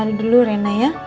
mari dulu rena ya